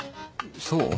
そう？